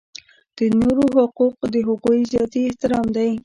د نورو حقوق د هغوی ذاتي احترام دی.